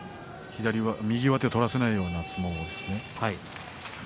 右上手を取らせないような相撲ですね。